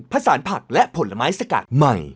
ผสานผักและผลไม้สกัดใหม่